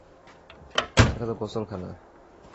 এটাতো গোসল খানা।